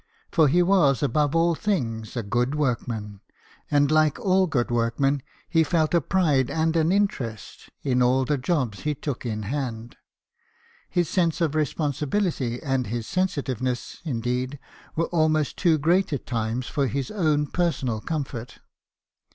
For he was above all 16 BIOGRAPHIES OF WORKING MEN. things a good workman, and like all good work men he felt a pride and an interest in all the jobs he took in hand. His sense of responsibility and his sensitiveness, indeed, were almost too great at times for his own personal comfort.